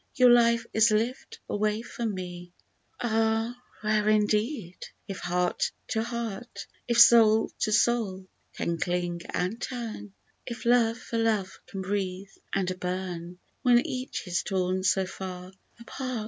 Your life is lived away from me ! Ah ! rare, indeed, if heart to heart, If soul to soul can cling and turn, If love for love can breathe and burn When each is torn so far apart